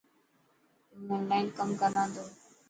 هون اونلان ڪم ڪران ٿو.